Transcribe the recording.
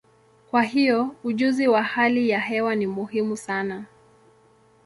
Kwa hiyo, ujuzi wa hali ya hewa ni muhimu sana.